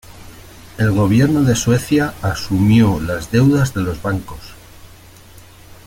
El gobierno de Suecia asumió las deudas de los bancos.